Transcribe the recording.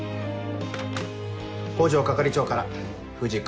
北条係長から藤君